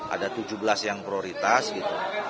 ada tujuh belas yang prioritas gitu